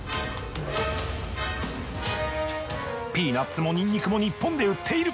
ピーナッツもニンニクも日本で売っている。